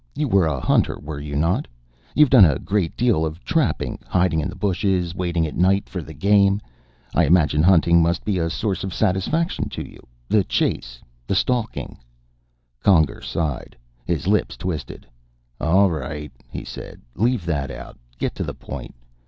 You were a hunter, were you not? You've done a great deal of trapping, hiding in the bushes, waiting at night for the game? I imagine hunting must be a source of satisfaction to you, the chase, the stalking " Conger sighed. His lips twisted. "All right," he said. "Leave that out. Get to the point.